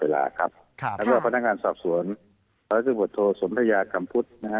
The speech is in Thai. เพราะว่าพนักงานสรรพสวนรัฐศูนย์บทโทษสมรยากรรมพุทธ